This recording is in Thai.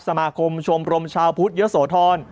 สมาคมชมรมชาวพุทธเยอะโสธร